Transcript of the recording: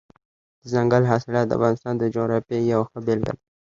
دځنګل حاصلات د افغانستان د جغرافیې یوه ښه بېلګه ده.